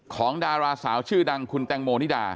ดาราสาวชื่อดังคุณแตงโมนิดา